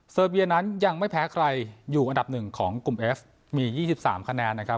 เบียนั้นยังไม่แพ้ใครอยู่อันดับหนึ่งของกลุ่มเอฟมี๒๓คะแนนนะครับ